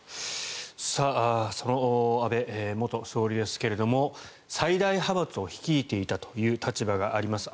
その安倍元総理ですが最大派閥を率いていたという立場があります。